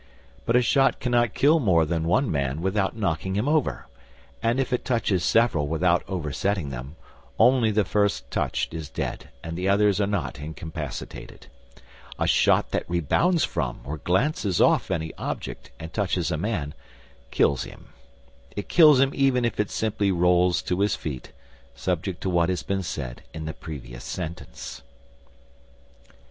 But a shot cannot kill more than one man without knocking him over, and if it touches several without oversetting them, only the first touched is dead and the others are not incapacitated. A shot that rebounds from or glances off any object and touches a man, kills him; it kills him even if it simply rolls to his feet, subject to what has been said in the previous sentence.